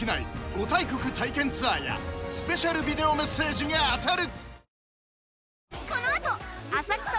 ５大国体験ツアーやスペシャルビデオメッセージが当たる！